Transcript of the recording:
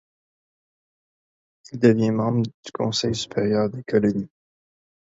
Il devient membre du Conseil Supérieur des Colonies.